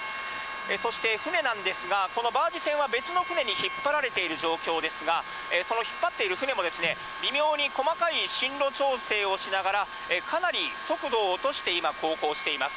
そして船なんですが、このバージ船は、別の船に引っ張られている状態ですが、その引っ張っている船も、微妙に細かい針路調整をしながら、かなり速度を落として今、航行しています。